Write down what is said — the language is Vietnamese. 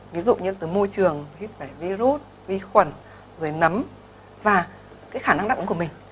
ví dụ như là từ môi trường virus vi khuẩn rồi nấm và cái khả năng đặng ứng của mình